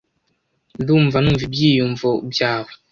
Ndumva numva ibyiyumvo byawe.